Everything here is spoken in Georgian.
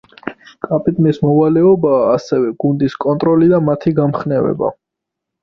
კაპიტნის მოვალეობაა ასევე გუნდის კონტროლი და მათი გამხნევება.